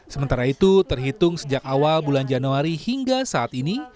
sementara itu terhitung sejak awal bulan januari hingga saat ini